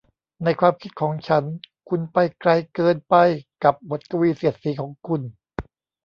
ในความคิดของฉันคุณไปไกลเกินไปกับบทกวีเสียดสีของคุณ